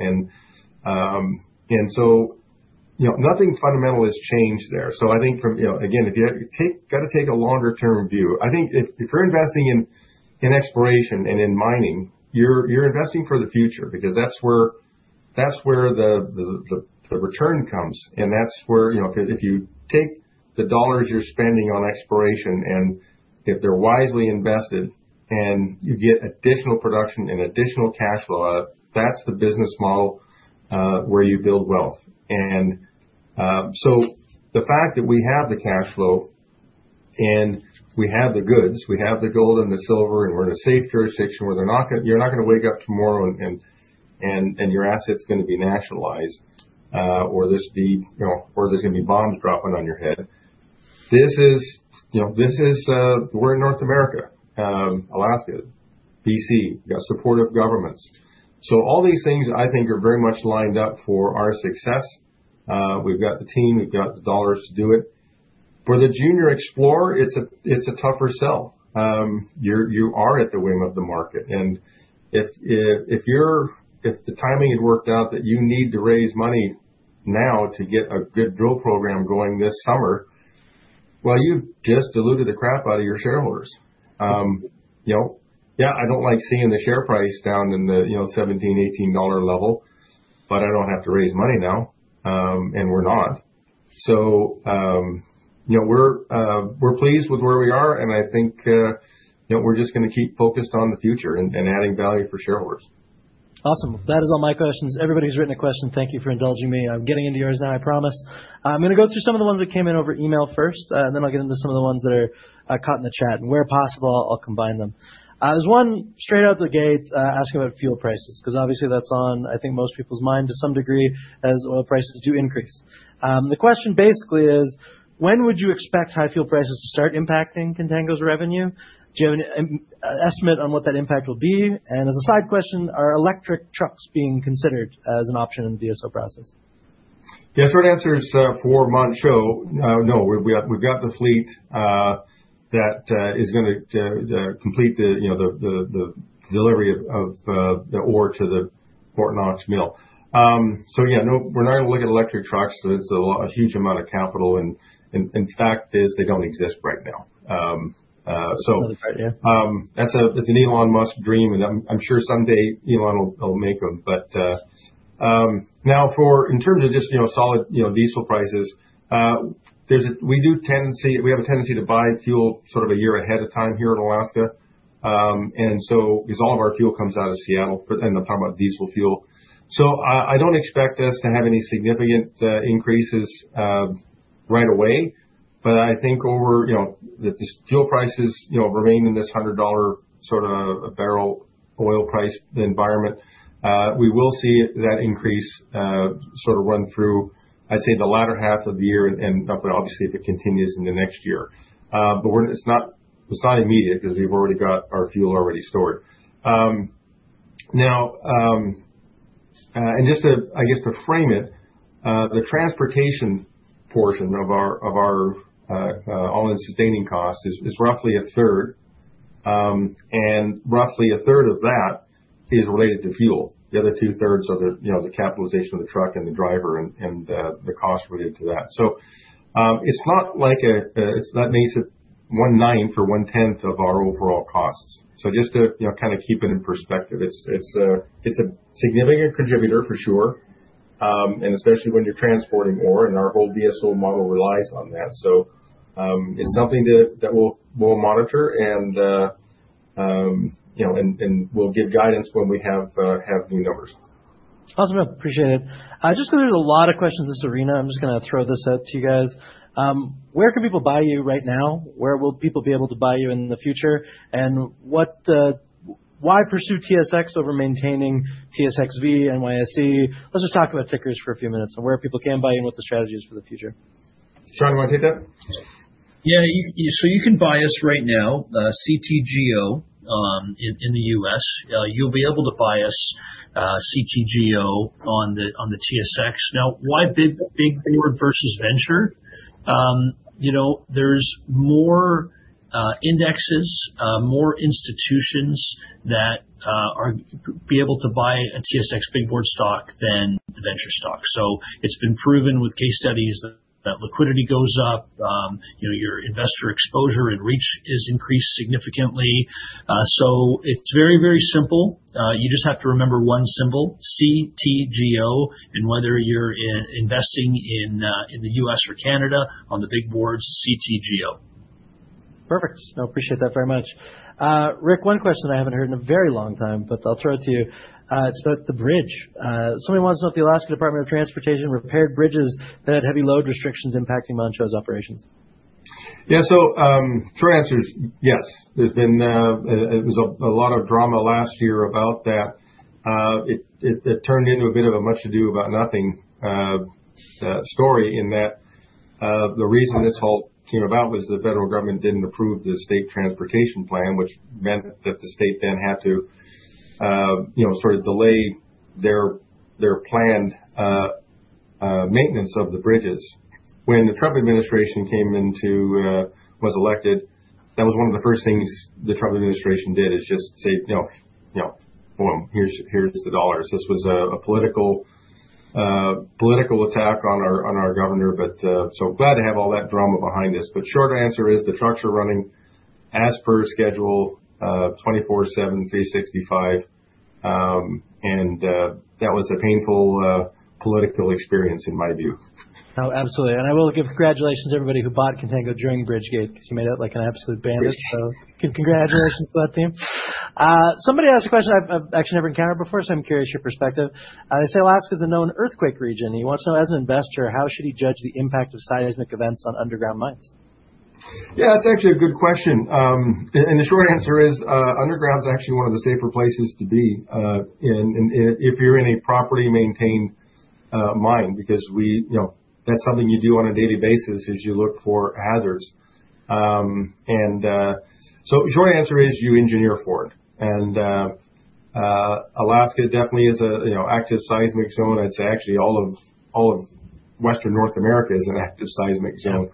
You know, nothing fundamental has changed there. I think from, you know, again, if you take gotta take a longer term view. I think if you're investing in exploration and in mining, you're investing for the future because that's where the return comes. That's where you know 'cause if you take the dollars you're spending on exploration, and if they're wisely invested, and you get additional production and additional cash flow out, that's the business model where you build wealth. The fact that we have the cash flow, and we have the goods, we have the gold and the silver, and we're in a safe jurisdiction where they're not gonna You're not gonna wake up tomorrow and your asset's gonna be nationalized, or there's gonna be bombs dropping on your head. This is. We're in North America, Alaska, BC. We got supportive governments. All these things I think are very much lined up for our success. We've got the team, we've got the dollars to do it. For the junior explorer, it's a tougher sell. You are at the whim of the market. If the timing had worked out that you need to raise money now to get a good drill program going this summer, well, you've just diluted the crap out of your shareholders. I don't like seeing the share price down in the, you know, $17-$18 level, but I don't have to raise money now, and we're not. You know, we're pleased with where we are, and I think, you know, we're just gonna keep focused on the future and adding value for shareholders. Awesome. That is all my questions. Everybody who's written a question, thank you for indulging me. I'm getting into yours now, I promise. I'm gonna go through some of the ones that came in over email first, and then I'll get into some of the ones that are caught in the chat. Where possible, I'll combine them. There's one straight out the gate, asking about fuel prices, 'cause obviously that's on, I think, most people's mind to some degree as oil prices do increase. The question basically is: When would you expect high fuel prices to start impacting Contango's revenue? Do you have an estimate on what that impact will be? And as a side question, are electric trucks being considered as an option in the DSO process? The short answer is, for Manh Choh, no. We've got the fleet that is gonna complete the, you know, the delivery of the ore to the Fort Knox mill. So yeah, no, we're not even looking at electric trucks. It's a lot, a huge amount of capital and fact is they don't exist right now. So-- That's another idea. That's an Elon Musk dream, and I'm sure someday Elon will make them. Now, in terms of just, you know, solid, you know, diesel prices, we have a tendency to buy fuel sort of a year ahead of time here in Alaska, and so, because all of our fuel comes out of Seattle, and I'm talking about diesel fuel. I don't expect us to have any significant increases right away. I think over, you know, if these fuel prices, you know, remain in this $100 sort of a barrel oil price environment, we will see that increase sort of run through, I'd say the latter half of the year and, but obviously if it continues into next year. It's not immediate, because we've already got our fuel stored. Just to frame it, the transportation portion of our all-in sustaining cost is roughly a third. Roughly a third of that is related to fuel. The other 2/3 are, you know, the capitalization of the truck and the driver and the cost related to that. That makes it one-ninth or one-tenth of our overall costs. Just to, you know, kinda keep it in perspective. It's a significant contributor for sure, and especially when you're transporting ore, and our whole DSO model relies on that. It's something that we'll monitor and, you know, and we'll give guidance when we have new numbers. Awesome. Appreciate it. Just because there's a lot of questions in this arena, I'm just gonna throw this out to you guys. Where can people buy you right now? Where will people be able to buy you in the future? What, why pursue TSX over maintaining TSXV, NYSE? Let's just talk about tickers for a few minutes and where people can buy you and what the strategy is for the future. Shawn, you wanna take that? You can buy us right now, CTGO, in the U.S. You'll be able to buy us, CTGO on the TSX. Now, why big board versus venture? You know, there are more indexes, more institutions that are able to buy a TSX big board stock than the venture stock. It's been proven with case studies that liquidity goes up. You know, your investor exposure and reach is increased significantly. It's very simple. You just have to remember one symbol, CTGO. Whether you're investing in the U.S. or Canada on the big board, CTGO. Perfect. No, I appreciate that very much. Rick, one question I haven't heard in a very long time, but I'll throw it to you. It's about the bridge. Somebody wants to know if the Alaska Department of Transportation repaired bridges that had heavy load restrictions impacting Manh Choh operations. Yeah, short answer is yes. There was a lot of drama last year about that. It turned into a bit of a much ado about nothing story in that the reason this whole came about was the federal government didn't approve the state transportation plan, which meant that the state then had to you know sort of delay their planned maintenance of the bridges. When the Trump administration was elected, that was one of the first things the Trump administration did, is just say, "No, no. Boom, here's the dollars." This was a political attack on our governor, but so glad to have all that drama behind us. Short answer is the trucks are running as per schedule 24/7, 365. That was a painful political experience in my view. Oh, absolutely. I will give congratulations to everybody who bought Contango during Bridgegate, because you made out like an absolute bandit. Congratulations to that team. Somebody asked a question I've actually never encountered before, so I'm curious your perspective. They say Alaska is a known earthquake region. He wants to know, as an investor, how should he judge the impact of seismic events on underground mines? Yeah, that's actually a good question. The short answer is underground's actually one of the safer places to be in if you're in a properly maintained mine. Because we, you know, that's something you do on a daily basis, is you look for hazards. Short answer is you engineer for it. Alaska definitely is a, you know, active seismic zone. It's actually all of western North America is an active seismic zone.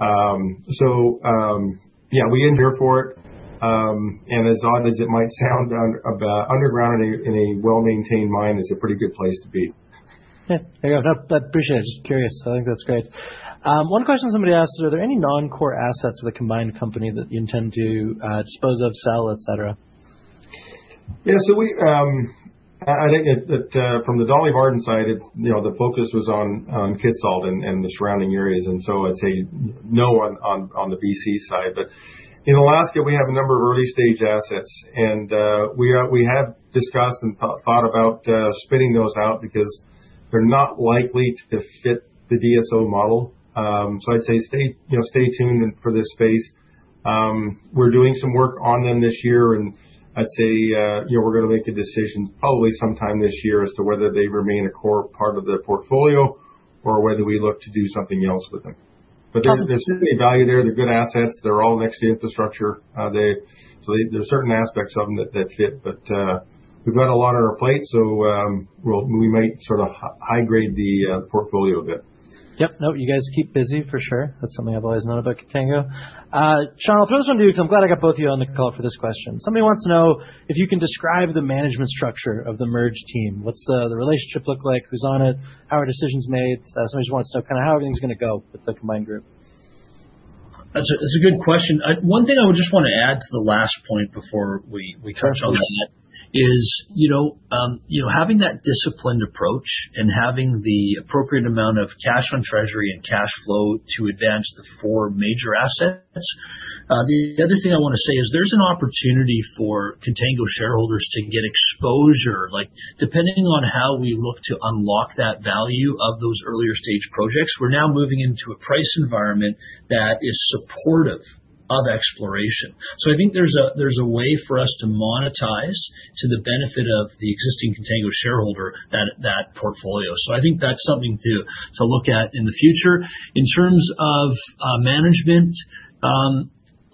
We engineer for it. As odd as it might sound, underground in a well-maintained mine is a pretty good place to be. Yeah. There you go. No, I appreciate it. Just curious. I think that's great. One question somebody asked is, are there any non-core assets of the combined company that you intend to dispose of, sell, et cetera? I think from the Dolly Varden side, it's you know the focus was on Kitsault and the surrounding areas. I'd say no on the BC side. In Alaska, we have a number of early-stage assets. We have discussed and thought about spinning those out because they're not likely to fit the DSO model. I'd say stay tuned for this space. We're doing some work on them this year. I'd say we're gonna make a decision probably sometime this year as to whether they remain a core part of the portfolio or whether we look to do something else with them. There's certainly value there. They're good assets. They're all next to infrastructure. There are certain aspects of them that fit. We've got a lot on our plate, so we might sort of high grade the portfolio a bit. Yep. No, you guys keep busy, for sure. That's something I've always known about Contango. Shawn, I'll throw this one to you because I'm glad I got both you on the call for this question. Somebody wants to know if you can describe the management structure of the merged team. What's the relationship look like, who's on it, how are decisions made? Somebody just wants to know kinda how everything's gonna go with the combined group. That's a good question. One thing I would just wanna add to the last point before we touch on that is, you know, having that disciplined approach and having the appropriate amount of cash on treasury and cash flow to advance the four major assets. The other thing I wanna say is there's an opportunity for Contango shareholders to get exposure. Like, depending on how we look to unlock that value of those earlier stage projects, we're now moving into a price environment that is supportive of exploration. I think there's a way for us to monetize to the benefit of the existing Contango shareholder that portfolio. I think that's something to look at in the future. In terms of management,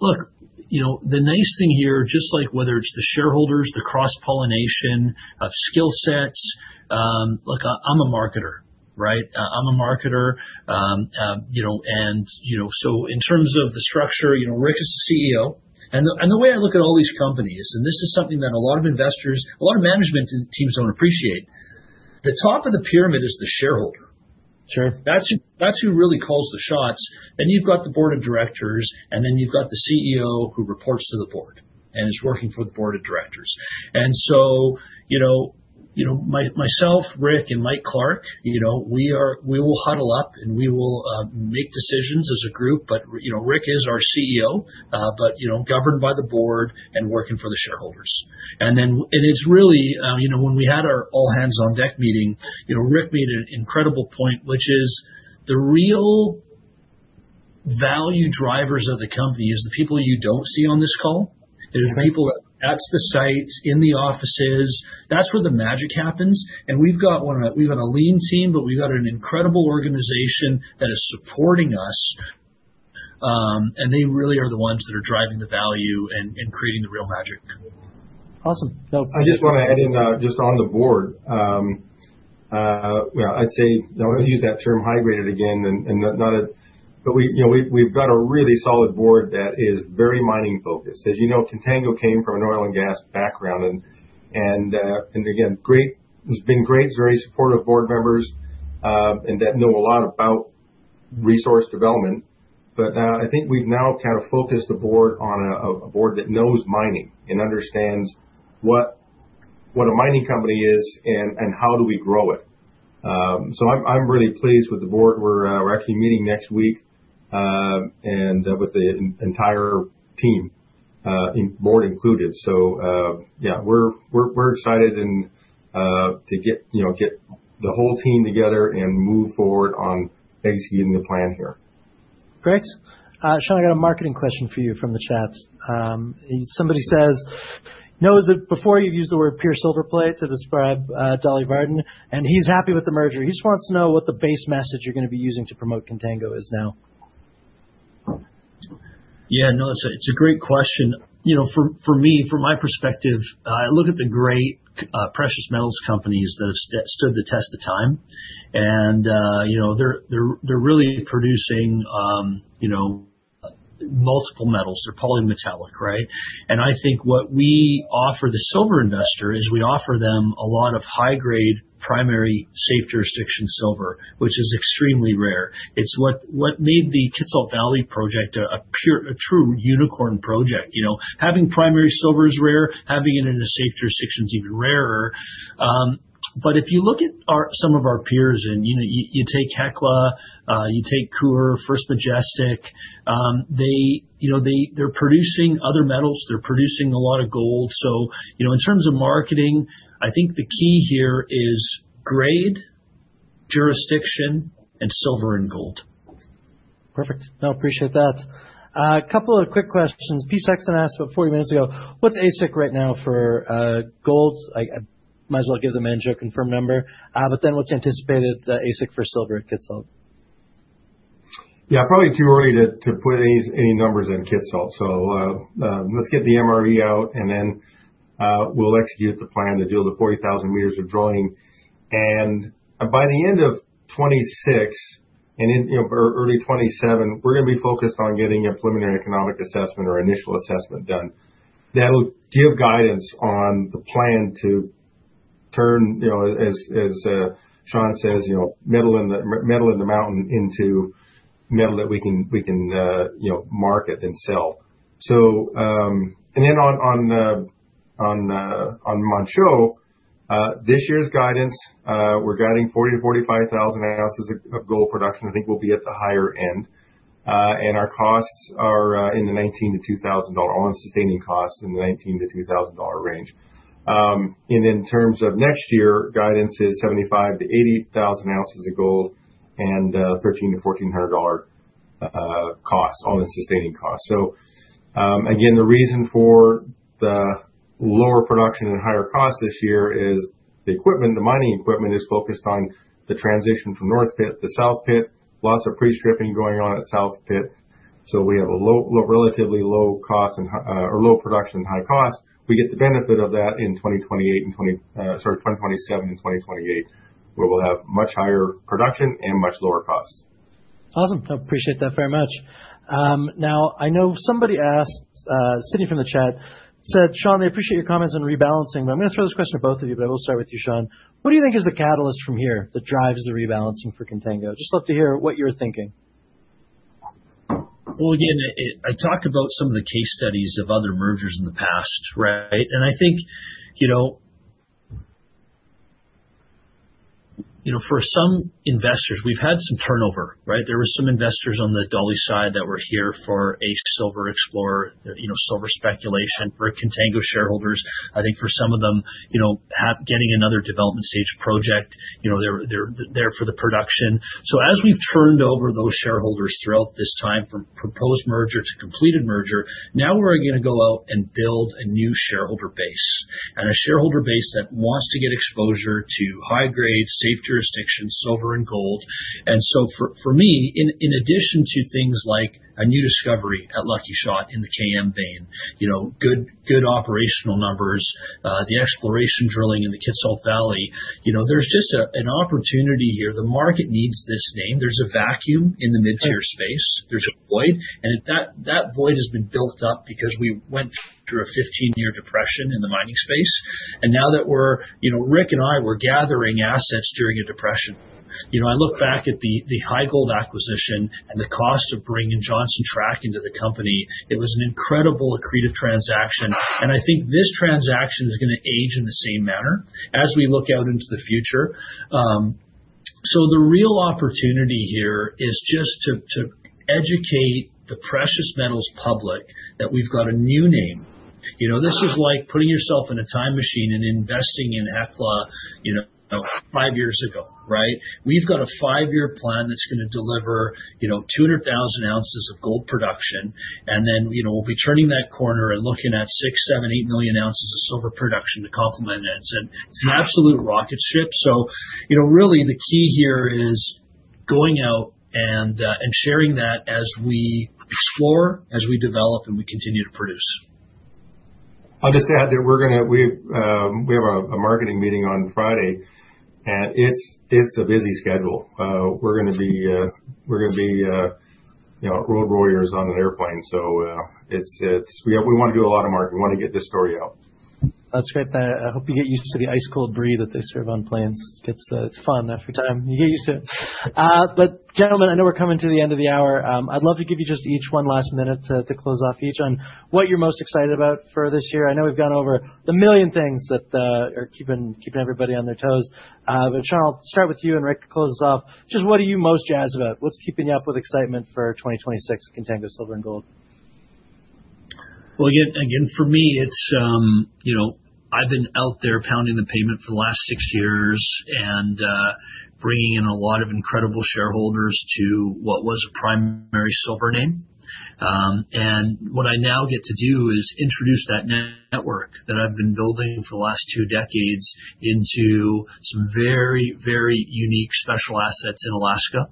look, you know, the nice thing here, just like whether it's the shareholders, the cross-pollination of skill sets, look, I'm a marketer, right? I'm a marketer. You know, and you know, so in terms of the structure, you know, Rick is the CEO. The way I look at all these companies, and this is something that a lot of investors, a lot of management teams don't appreciate. The top of the pyramid is the shareholder. Sure. That's who really calls the shots. Then you've got the Board of Directors, and then you've got the CEO who reports to the board and is working for the Board of Directors. You know, you know, myself, Rick, and Mike Clark, you know, we will huddle up, and we will make decisions as a group. You know, Rick is our CEO, governed by the board and working for the shareholders. It's really, you know, when we had our all hands on deck meeting, you know, Rick made an incredible point, which is the real value drivers of the company is the people you don't see on this call. They're the people at the sites, in the offices. That's where the magic happens. We've got one of the. We've got a lean team, but we've got an incredible organization that is supporting us. They really are the ones that are driving the value and creating the real magic. Awesome. I just want to add in, just on the board. We, you know, we've got a really solid board that is very mining focused. As you know, Contango came from an oil and gas background. Again, has been great, very supportive board members, and that know a lot about resource development. I think we've now kind of focused the board on a board that knows mining and understands what a mining company is and how do we grow it. I'm really pleased with the board. We're actually meeting next week, and with the entire team, board included. We're excited and to get you know get the whole team together and move forward on executing the plan here. Great. Shawn, I got a marketing question for you from the chats. Somebody says he knows that before you've used the word pure silver play to describe Dolly Varden, and he's happy with the merger. He just wants to know what the base message you're gonna be using to promote Contango is now. Yeah, no, it's a great question. You know, for me, from my perspective, I look at the great precious metals companies that stood the test of time. You know, they're really producing multiple metals. They're polymetallic, right? I think what we offer the silver investor is we offer them a lot of high grade, primary, safe jurisdiction silver, which is extremely rare. It's what made the Kitsault Valley project a pure, true unicorn project. You know, having primary silver is rare, having it in a safe jurisdiction is even rarer. But if you look at some of our peers and, you know, you take Hecla, you take Coeur, First Majestic, they're producing other metals, they're producing a lot of gold. You know, in terms of marketing, I think the key here is grade, jurisdiction, and silver and gold. Perfect. No, appreciate that. A couple of quick questions. P. Sexton asked about 40 minutes ago, what's AISC right now for gold? I might as well give the man a confirmed number. But then what's anticipated AISC for silver at Kitsault? Yeah, probably too early to put any numbers on Kitsault. Let's get the MRE out, and then we'll execute the plan to do the 40,000 m of drilling. By the end of 2026 and in early 2027, we're gonna be focused on getting a preliminary economic assessment or initial assessment done. That'll give guidance on the plan to turn, you know, as Shawn says, you know, metal in the mountain into metal that we can market and sell. On the Manh Choh, this year's guidance, we're guiding 40,000-45,000 ounces of gold production. I think we'll be at the higher end. Our costs are in the $1,900-$2,000 all-in sustaining costs, in the $1,900-$2,000 range. In terms of next year, guidance is 75,000-80,000 ounces of gold and $1,300-$1,400 costs on the sustaining cost. Again, the reason for the lower production and higher cost this year is the equipment. The mining equipment is focused on the transition from North Pit to South Pit. Lots of pre-stripping going on at South Pit. We have relatively low production and high cost. We get the benefit of that in 2027 and 2028, where we'll have much higher production and much lower costs. Awesome. I appreciate that very much. Now I know somebody asked, Sydney from the chat, said, "Shawn, I appreciate your comments on rebalancing," but I'm gonna throw this question to both of you, but I will start with you, Shawn. What do you think is the catalyst from here that drives the rebalancing for Contango? Just love to hear what you're thinking. Well, again, I talked about some of the case studies of other mergers in the past, right? I think, you know, you know, for some investors, we've had some turnover, right? There were some investors on the Dolly side that were here for a silver explorer, you know, silver speculation. For Contango shareholders, I think for some of them, you know, getting another development stage project, you know, they're there for the production. As we've turned over those shareholders throughout this time from proposed merger to completed merger, now we're gonna go out and build a new shareholder base. A shareholder base that wants to get exposure to high-grade, safe jurisdiction, silver and gold. For me, in addition to things like a new discovery at Lucky Shot in the KM vein, you know, good operational numbers, the exploration drilling in the Kitsault Valley, you know, there's just an opportunity here. The market needs this name. There's a vacuum in the mid-tier space. There's a void. That void has been built up because we went through a 15-year depression in the mining space. Now that we're. You know, Rick and I were gathering assets during a depression. You know, I look back at the HighGold acquisition and the cost of bringing Johnson Tract into the company, it was an incredible accretive transaction, and I think this transaction is gonna age in the same manner as we look out into the future. The real opportunity here is just to educate the precious metals public that we've got a new name. You know, this is like putting yourself in a time machine and investing in Hecla, you know, five years ago, right? We've got a five-year plan that's gonna deliver, you know, 200,000 ounces of gold production, and then, you know, we'll be turning that corner and looking at 6 million, 7 million, 8 million ounces of silver production to complement it. It's an absolute rocket ship. You know, really the key here is going out and sharing that as we explore, as we develop, and we continue to produce. I'll just add that we have a marketing meeting on Friday, and it's a busy schedule. We're gonna be, you know, road warriors on an airplane. We wanna do a lot of marketing. We wanna get this story out. That's great. I hope you get used to the ice-cold brie that they serve on planes. It's fun every time. You get used to it. Gentlemen, I know we're coming to the end of the hour. I'd love to give you just each one last minute to close off each on what you're most excited about for this year. I know we've gone over 1 million things that are keeping everybody on their toes. Shawn, I'll start with you and Rick can close us off. Just what are you most jazzed about? What's keeping you up with excitement for 2026 Contango Silver & Gold? Well, again, for me, it's, you know, I've been out there pounding the pavement for the last six years and bringing in a lot of incredible shareholders to what was a primary silver name. And what I now get to do is introduce that network that I've been building for the last two decades into some very, very unique special assets in Alaska.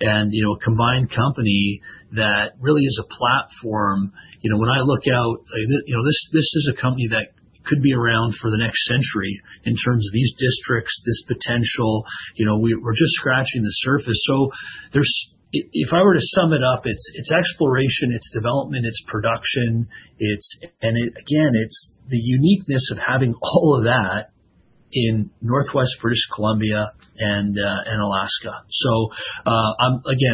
And, you know, a combined company that really is a platform. You know, when I look out, like, you know, this is a company that could be around for the next century in terms of these districts, this potential. You know, we're just scratching the surface. So there's. If I were to sum it up, it's exploration, it's development, it's production, it's. Again, it's the uniqueness of having all of that in Northwest British Columbia and Alaska.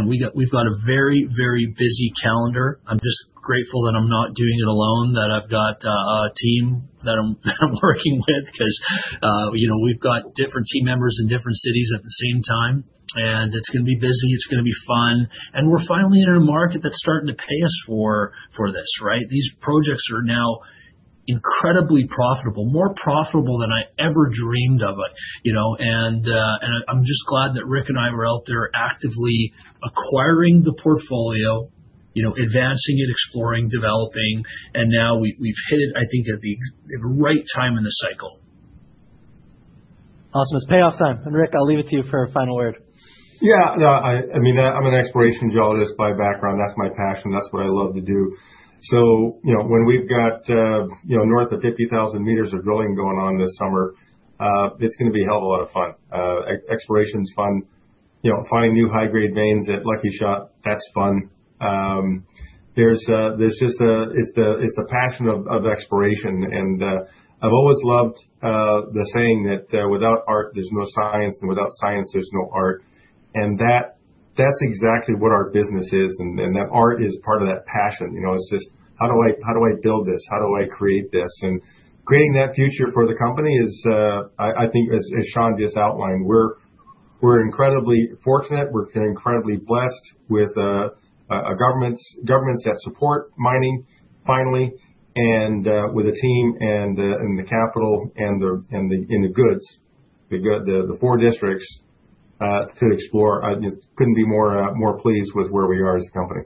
We've got a very, very busy calendar. I'm just grateful that I'm not doing it alone, that I've got a team that I'm working with because, you know, we've got different team members in different cities at the same time, and it's gonna be busy, it's gonna be fun, and we're finally in a market that's starting to pay us for this, right? These projects are now incredibly profitable. More profitable than I ever dreamed of. You know, I'm just glad that Rick and I were out there actively acquiring the portfolio, you know, advancing it, exploring, developing, and now we've hit it, I think, at the right time in the cycle. Awesome. It's payoff time. Rick, I'll leave it to you for a final word. I mean, I'm an exploration geologist by background. That's my passion. That's what I love to do. So, you know, when we've got, you know, north of 50,000 m of drilling going on this summer, it's gonna be a hell of a lot of fun. Exploration's fun. You know, finding new high-grade veins at Lucky Shot, that's fun. There's just a, it's the passion of exploration. I've always loved the saying that without art, there's no science, and without science, there's no art. That, that's exactly what our business is. That art is part of that passion. You know, it's just, how do I build this? How do I create this? Creating that future for the company is, I think as Shawn just outlined, we're incredibly fortunate, we feel incredibly blessed with governments that support mining finally, and with a team and the capital and the good four districts to explore. I just couldn't be more pleased with where we are as a company.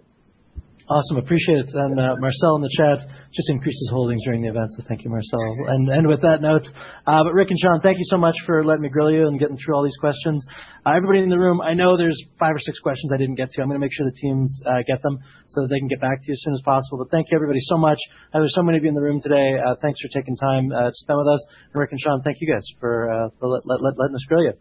Awesome. Appreciate it. Marcel in the chat just increased his holdings during the event, so thank you, Marcel. Rick and Shawn, thank you so much for letting me grill you and getting through all these questions. Everybody in the room, I know there's five or six questions I didn't get to. I'm gonna make sure the teams get them, so that they can get back to you as soon as possible. Thank you everybody so much. I know there's so many of you in the room today. Thanks for taking time to spend with us. Rick and Shawn, thank you guys for letting us grill you.